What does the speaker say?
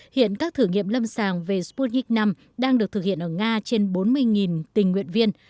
hiện các thử nghiệm lâm sàng về sputnik v đang được thực hiện ở nga trên bốn mươi tình nguyện viên